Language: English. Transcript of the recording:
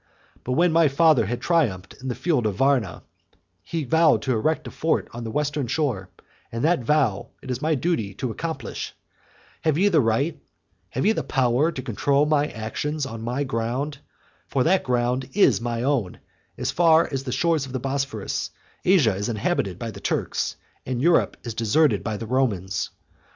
But when my father had triumphed in the field of Warna, he vowed to erect a fort on the western shore, and that vow it is my duty to accomplish. Have ye the right, have ye the power, to control my actions on my own ground? For that ground is my own: as far as the shores of the Bosphorus, Asia is inhabited by the Turks, and Europe is deserted by the Romans.